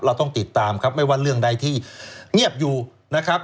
เราต้องติดตามครับไม่ว่าเรื่องใดที่เงียบอยู่นะครับ